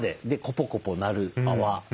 コポコポなる泡。